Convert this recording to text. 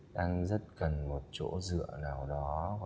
đang rất cần một chỗ dựa nào đó